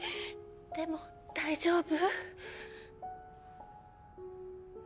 でも大丈夫？